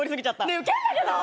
ねえウケんだけど。